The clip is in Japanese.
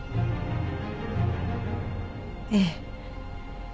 ええ。